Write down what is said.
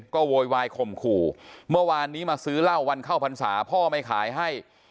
ก็โวยวายข่มขู่เมื่อวานนี้มาซื้อเหล้าวันเข้าพรรษาพ่อไม่ขายให้